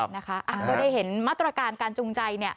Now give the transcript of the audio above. ก็ได้เห็นมาตรการการจูงใจ